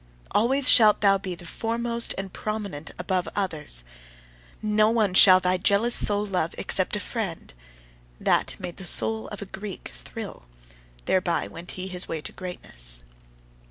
"Always shalt thou be the foremost and prominent above others: no one shall thy jealous soul love, except a friend" that made the soul of a Greek thrill: thereby went he his way to greatness.